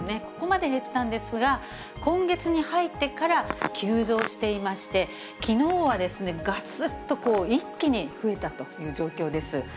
ここまで減ったんですが、今月に入ってから急増していまして、きのうはですね、がつっと一気に増えたという状況です。